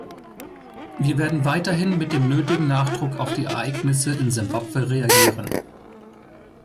Wir werden weiterhin mit dem nötigen Nachdruck auf die Ereignisse in Simbabwe reagieren.